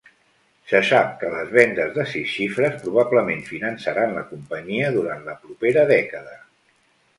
Se sap que les vendes de sis xifres probablement finançaran la companyia durant la propera dècada.